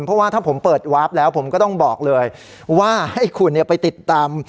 เพราะว่าถ้าผมเปิดวาร์ฟแล้วผมก็ต้องบอกเลยว่าให้คุณไปติดตาม